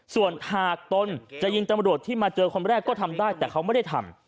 ส่วนหากตนจะยิงตำรวจที่มาเจอคนแรกก็ทำได้แต่เขาไม่ได้ทำ